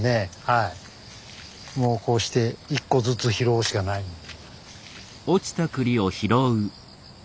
もうこうして１個ずつ拾うしかないので。